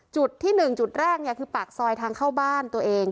จุดที่๑จุดแรกคือปากซอยทางเข้าบ้านตัวเอง